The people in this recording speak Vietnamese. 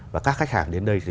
và các doanh nghiệp của việt nam